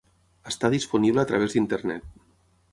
Està disponible a través d'Internet.